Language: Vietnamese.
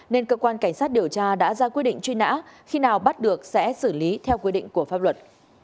nên cơ quan cảnh sát điều tra đã ra quyết định truy nã khi nào bắt được sẽ xử lý theo quy định của pháp luật